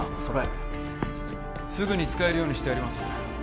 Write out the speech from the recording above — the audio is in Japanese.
それすぐに使えるようにしてあります